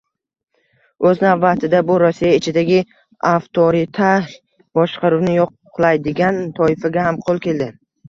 O‘z navbatida bu Rossiya ichidagi avtoritar boshqaruvni yoqlaydigan toifaga ham qo‘l keldi.